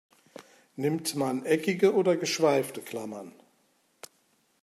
Nimmt man eckige oder geschweifte Klammern?